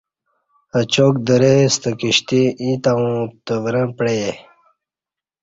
اچاک درے ستہ کشتی ییں تاوں تورں پعئے